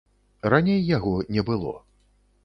Раней яго не было.